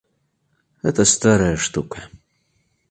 Это старая штука.